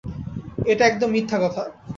এটা একদম মিথ্যা কথা!